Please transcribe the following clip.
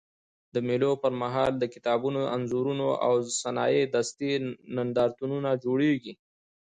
د مېلو پر مهال د کتابونو، انځورونو او صنایع دستي نندارتونونه جوړېږي.